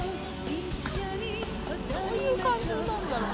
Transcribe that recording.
どういう感情なんだろう？